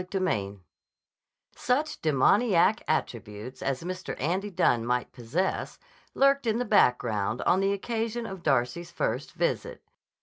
CHAPTER V SUCH demoniac attributes as Mr. Andy Dunne might possess lurked in the background on the occasion of Darcy's first visit.